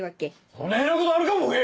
そねぇなことあるかぼけ！